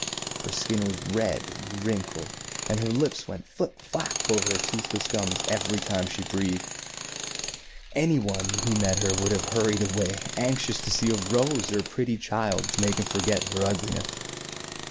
Her skin was red and wrinkled, and her lips went flip flap over her toothless gums every time she breathed. Any one who met her would have hurried away, anxious to see a rose or a 28 THE FAIRY SPINNING WHEEL pretty child to make him forget her ugliness.